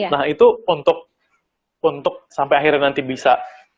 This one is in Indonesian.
nah itu untuk sampai akhirnya nanti bisa